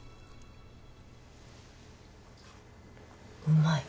うまい。